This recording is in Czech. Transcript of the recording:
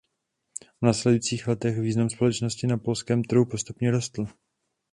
V následujících letech význam společnosti na polském trhu postupně rostl.